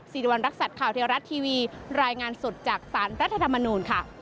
สิริวัณรักษัตริย์ข่าวเทวรัฐทีวีรายงานสดจากสารรัฐธรรมนูญค่ะ